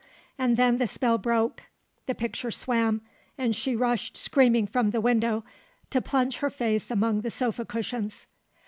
And then the spell broke, the picture swam, and she rushed screaming from the window to plunge her face among the sofa cushions.